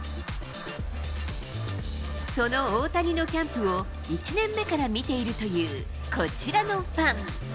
その大谷のキャンプを１年目から見ているという、こちらのファン。